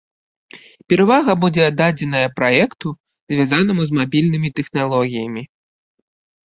Перавага будзе аддадзеная праекту, звязанаму з мабільнымі тэхналогіямі.